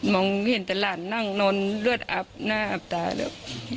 เห็นแต่หลานนั่งนอนเลือดอับหน้าอับตาแล้ว